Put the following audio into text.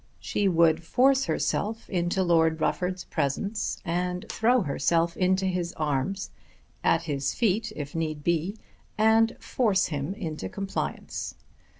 She would force herself into Lord Rufford's presence and throw herself into his arms, at his feet if need be, and force him into compliance.